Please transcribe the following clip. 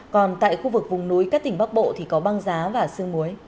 còn tại khu vực vùng núi các tỉnh bắc bộ thì có băng giá và sương muối